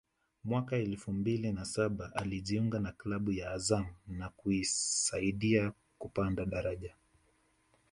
mwaka elfu mbili na saba alijiunga na klabu ya Azam na kuisaidia kupanda daraja